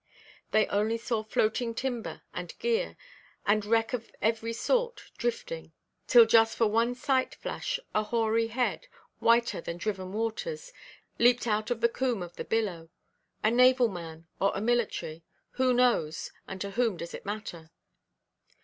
They only saw floating timber and gear, and wreck of every sort drifting, till just for one sight–flash a hoary head, whiter than driven waters, leaped out of the comb of the billow. A naval man, or a military—who knows, and to whom does it matter?